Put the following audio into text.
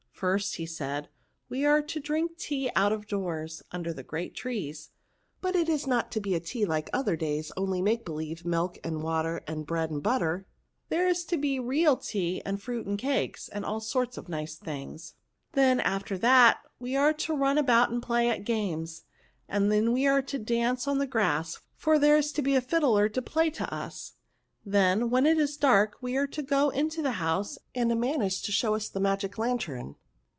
" First," said he, " we are to drink tea out of doors^ under the great trees ; but it is not to be tea like other days, only make believe, milk and water and bread and butter ; there is to be real tea, and fruit and cakes, and all sorts of nice things. Then, after that, we are to run about and play at games ; and then we are to dance on the grass, for there is to be a fiddler to play to us. Then, when it is dark, we are to go into the house, and a man is to show us the magic lantern.